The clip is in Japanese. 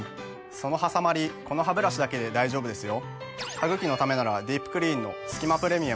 そのはさまりこのハブラシだけで大丈夫ですよ。